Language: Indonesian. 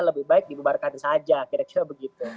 lebih baik dibubarkan saja kira kira begitu